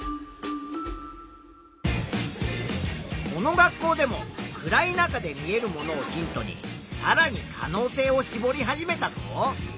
この学校でも暗い中で見えるものをヒントにさらに可能性をしぼり始めたぞ。